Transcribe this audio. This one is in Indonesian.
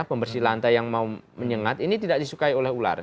pembersih lantai yang mau menyengat ini tidak disukai oleh ular